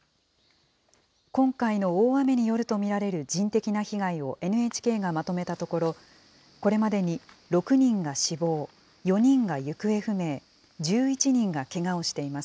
今回の大雨によると見られる人的な被害をＮＨＫがまとめたところ、これまでに６人が死亡、４人が行方不明、１１人がけがをしています。